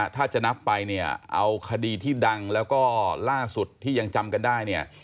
ถ้าจะนับไปเนี่ยเอาคดีที่ดังแล้วก็ล่าสุดที่ยังจำกันได้เนี่ย